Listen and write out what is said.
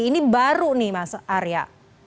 ini baru nih mas arya